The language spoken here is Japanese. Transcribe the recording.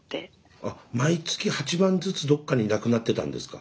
あっ毎月８万ずつどっかになくなってたんですか。